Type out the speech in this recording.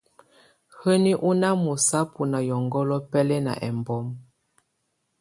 Həní ɔná mɔsábɔ na yɔngɔlɔ bɛ́lɛ́na ɛ́mbɔm.